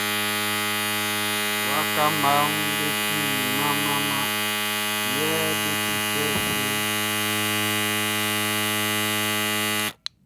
Waka mmaʼm be ti mlanmlanmlan yɛ be ti fɛ siɛnʼn.